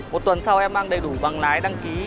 một tuần sau em mang đầy đủ bằng lái đăng ký